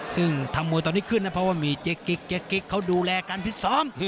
ซึ่งทำมวยตอนนี้ขึ้นนะเพราะว่ามีเจ๊กิ๊กเจ๊กิ๊กเขาดูแลการพิษซ้อม